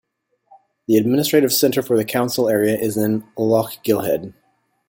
The administrative centre for the council area is in Lochgilphead.